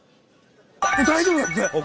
大丈夫だって。